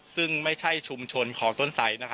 ซึ่งไม่ใช่ชุมชนของต้นไส